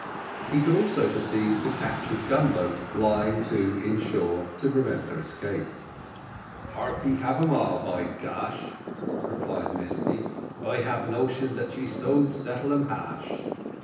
He could also perceive the captured gun boat lying to in shore to prevent their escape. "Harpy hab um all, by Gosh!" cried Mesty; "I ab notion dat she soon settle um hash."